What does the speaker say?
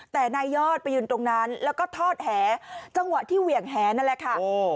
แต่นายยอดไปยืนตรงนั้นแล้วก็ทอดแหจังหวะที่เหวี่ยงแหนั่นแหละค่ะ